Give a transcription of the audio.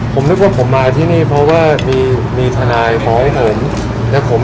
ผมนึกว่าผมมาที่นี่เพราะว่ามีทนายฟ้าให้ผม